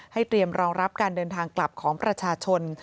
เตรียมรองรับการเดินทางกลับของประชาชน